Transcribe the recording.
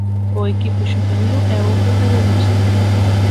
O equipo xuvenil é o protagonista.